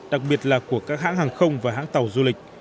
đặc biệt là của các hãng hàng không và hãng tàu du lịch